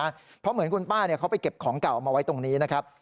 เพราะเหมือนคุณป้าเขาไปเก็บของเก่ามาไว้ตรงนี้นะครับ